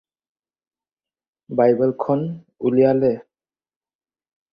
বাইবেলখন উলিয়ালে